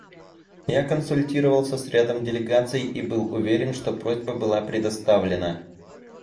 Я консультировался с рядом делегаций и был уверен, что просьба была представлена.